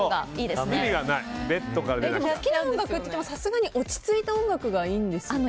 でも好きな音楽っていってもさすがに落ち着いた音楽がいいんですよね？